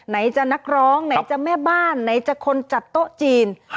ไหนจะนักร้องไหนจะแม่บ้านไหนจะคนจัดโต๊ะจีน